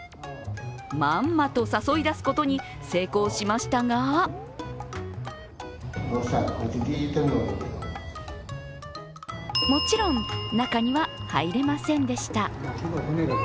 まんまと誘い出すことに成功しましたがもちろん中には入れませんでした。